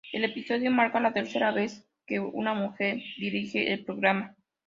El episodio marca la tercera vez que una mujer dirige el programa.